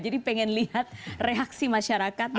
jadi pengen lihat reaksi masyarakat